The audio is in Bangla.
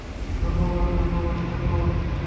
ধন্যবাদ, ধন্যবাদ, ধন্যবাদ।